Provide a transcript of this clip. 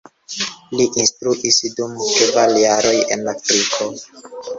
Li instruis dum kvar jaroj en Afriko.